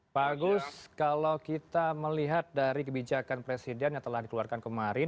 pak agus kalau kita melihat dari kebijakan presiden yang telah dikeluarkan kemarin